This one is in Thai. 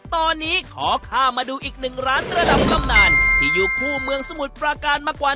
ตอนนี้ขอข้ามมาดูอีกหนึ่งร้านระดับตำนานที่อยู่คู่เมืองสมุทรปราการมากกว่า